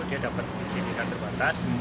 dia dapat izin tinggal terbatas